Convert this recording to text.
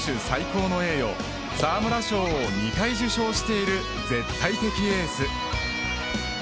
最高の栄誉沢村賞を２回受賞している絶対的エース。